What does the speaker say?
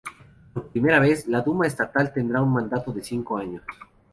Por primera vez la Duma Estatal tendrá un mandato de cinco años.